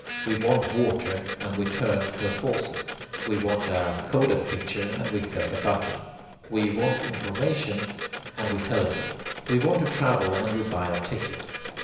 We want water and we turn a faucet. We want a kodak picture and we press a button. We want information and we telephone. We want to travel and we buy a ticket.